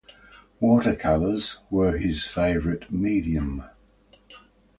Watercolors were his favorite medium.